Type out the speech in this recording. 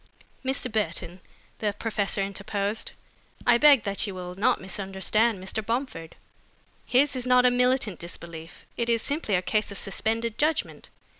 "Mr. Burton," the professor interposed, "I beg that you will not misunderstand Mr. Bomford. His is not a militant disbelief, it is simply a case of suspended judgment.